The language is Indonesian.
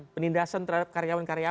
penindasan terhadap karya pemerintah